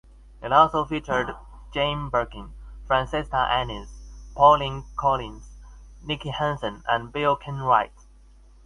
It also featured Jane Birkin, Francesca Annis, Pauline Collins, Nicky Henson and Bill Kenwright.